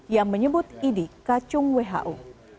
yang menyebut idi kacung who